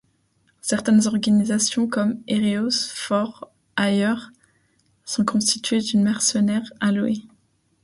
Certaines organisations, comme Heroes for Hire, sont constituées de mercenaires à louer.